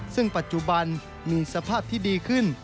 ซึ่งปัจจุบันมีสภาพที่ดีขึ้น